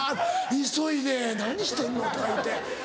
「急いで何してんの？」とか言うて。